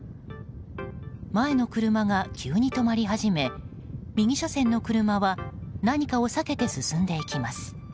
前の車が急に止まり始め右車線の車は何かを避けて進んでいきます。